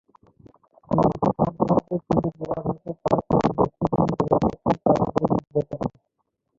এই দুই শব্দের মধ্যে কোনটি ব্যবহার হবে তা কোন বস্তুর জন্য ব্যবহার হচ্ছে তার উপরও নির্ভর করে।